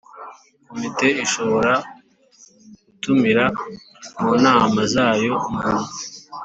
Komite ishobora gutumira mu nama zayo umuntu